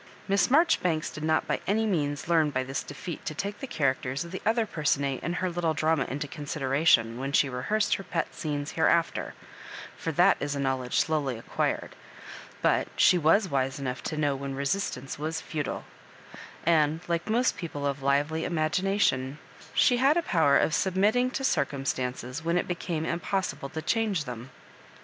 Miss Marjoribanks did not by any means learn by this defeat to take the characters of the other persona in her little drama into con sideration, when she rehearsed her pet scenes hereafter — ^for that is a knowledge slowly ac quired — but she was wise enough to know when resistance was futile ; and like most people of lively imagination, she had a power of submitting to circumstances when it became impossible to cliange them.